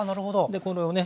でこれをね